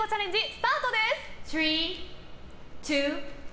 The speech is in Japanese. スタートです！